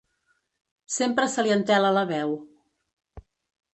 Sempre se li entela la veu.